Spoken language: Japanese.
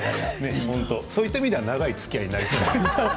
そういった意味では長いつきあいになりそうですね。